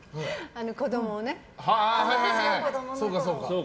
子供をね。